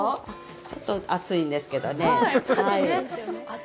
ちょっと熱いんですけどね。